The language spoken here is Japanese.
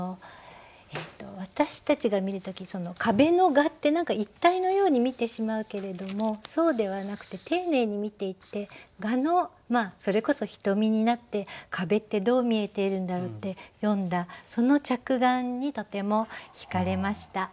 私たちが見る時壁の蛾って何か一体のように見てしまうけれどもそうではなくて丁寧に見ていって蛾のそれこそひとみになって壁ってどう見えているんだろうって詠んだその着眼にとてもひかれました。